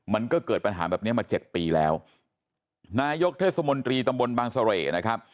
มันก็เกิดปัญหาแบบเนี้ยมาเจ็ดปีแล้วนายกเทศมนตรีตำบลบางเสร่นะครับ